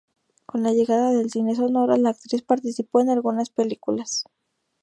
Con la llegada del cine sonoro, la actriz participó en algunas películas.